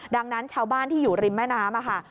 ดังนั้นชาวบ้านที่อยู่ริมแม่น้ำค่ะ